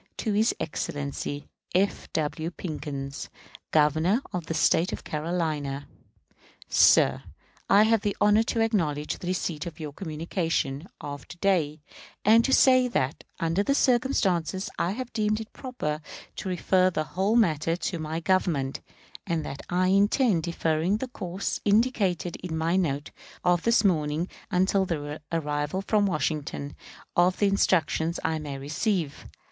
To his Excellency F. W. PICKENS, Governor of the State of South Carolina. Sir: I have the honor to acknowledge the receipt of your communication of to day, and to say that, under the circumstances, I have deemed it proper to refer the whole matter to my Government; and that I intend deferring the course indicated in my note of this morning until the arrival from Washington of the instructions I may receive.